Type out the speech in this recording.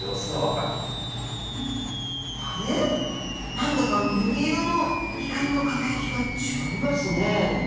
何だか緑色の光の輝きが違いますね。